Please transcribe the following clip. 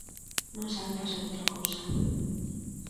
Non saben facer outra cousa.